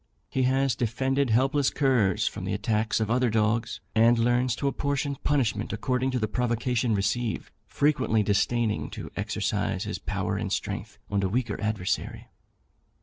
He has defended helpless curs from the attacks of other dogs, and learns to apportion punishment according to the provocation received, frequently disdaining to exercise his power and strength on a weaker adversary.